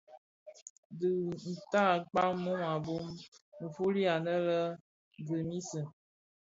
Dhi tan kpag mum a bum. Nfuli anë lè Grémisse,